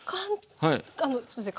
すみません